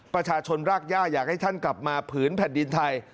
ประชาชนรากย่าอยากให้ท่านกลับมาผืนแผ่นดินไทย